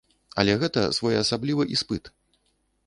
Але гэта своеасаблівы іспыт.